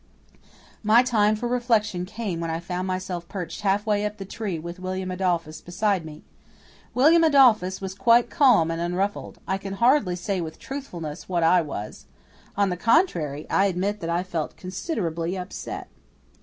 My time for reflection came when I found myself perched half way up the tree with William Adolphus beside me. William Adolphus was quite calm and unruffled. I can hardly say with truthfulness what I was. On the contrary, I admit that I felt considerably upset.